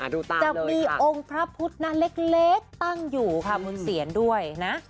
ดูตามเลยค่ะจะมีองค์พระพุทธนั้นเล็กตั้งอยู่ค่ะบนเสียรด้วยนะ